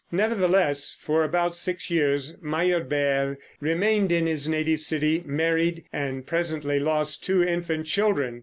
Nevertheless, for about six years Meyerbeer remained in his native city, married, and presently lost two infant children.